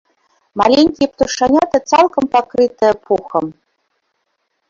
Маленькія птушаняты цалкам пакрытыя пухам.